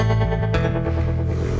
saya berada di jepang